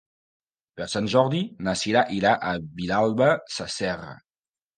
Per Sant Jordi na Cira irà a Vilalba Sasserra.